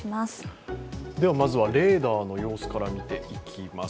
まずはレーダーの様子から見ていきます。